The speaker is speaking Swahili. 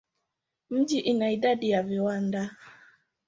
Mji ina idadi ya viwanda.